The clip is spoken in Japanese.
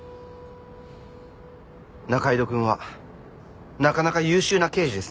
仲井戸くんはなかなか優秀な刑事ですね。